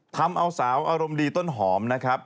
ทำเอาสาวอารมณ์ดีต้นหอมนะครับ